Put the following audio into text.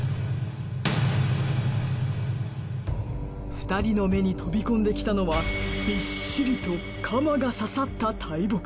２人の目に飛び込んできたのはビッシリと鎌が刺さった大木。